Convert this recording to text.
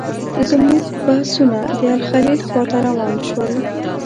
زموږ بسونه د الخلیل خواته روان شول.